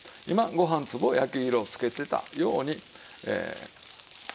今ご飯粒を焼き色をつけてたように。